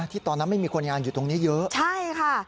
ตอนนั้นไม่มีคนงานอยู่ตรงนี้เยอะใช่ค่ะ